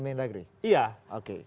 kementdagri iya oke